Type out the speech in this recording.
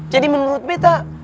jadi menurut betta